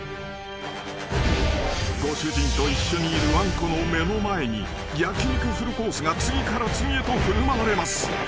［ご主人と一緒にいるわんこの目の前に焼き肉フルコースが次から次へと振る舞われます］